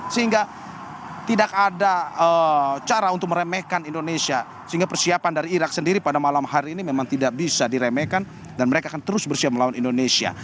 sehingga tidak ada cara untuk meremehkan indonesia sehingga persiapan dari irak sendiri pada malam hari ini memang tidak bisa diremehkan dan mereka akan terus bersiap melawan indonesia